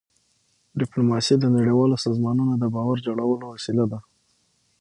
ډيپلوماسي د نړیوالو سازمانونو د باور جوړولو وسیله ده.